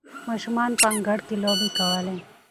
ماشومان په انګړ کې لوبې کولې.